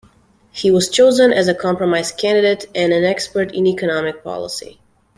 He was chosen as a compromise candidate and an expert in economic policy.